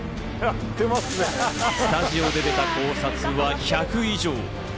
スタジオで出た考察は１００以上。